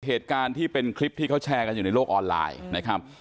เหตุการณ์ที่เป็นคลิปที่เขาแชร์กันอยู่ในโลกออนไลน์นะครับ